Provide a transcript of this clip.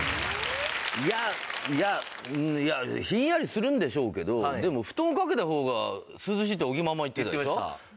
いやいやひんやりするんでしょうけどでも布団をかけた方が涼しいって尾木ママは言ってたでしょ？